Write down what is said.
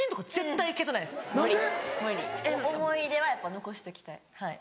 思い出はやっぱ残しときたい。